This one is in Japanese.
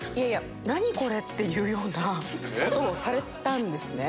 何これ？っていうようなことをされたんですね。